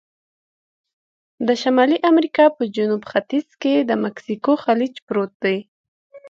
د شمالي امریکا په جنوب ختیځ کې د مکسیکو خلیج پروت دی.